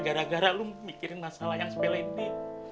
gara gara lo mikirin masalah yang sebelah ini